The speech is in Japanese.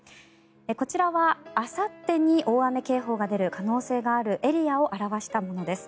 こちらは、あさってに大雨警報が出る可能性があるエリアを表したものです。